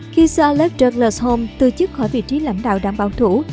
khi sir alex douglas holmes từ chức khỏi vị trí lãnh đạo đảng bảo thủ